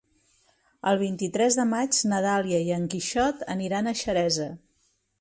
El vint-i-tres de maig na Dàlia i en Quixot aniran a Xeresa.